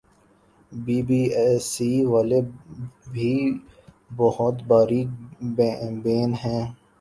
be B C والے بھی بہت باریک بین ہیں